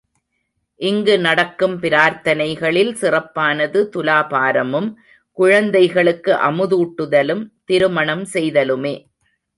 இங்கு நடக்கும் பிரார்த்தனைகளில் சிறப்பானது துலாபாரமும், குழந்தைகளுக்கு அமுதூட்டுதலும், திருமணம் செய்தலுமே.